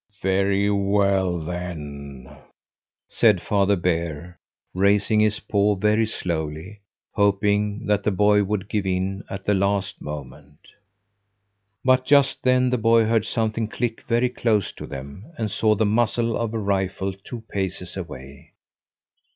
"Very well, then," said Father Bear, raising his paw very slowly, hoping that the boy would give in at the last moment. But just then the boy heard something click very close to them, and saw the muzzle of a rifle two paces away.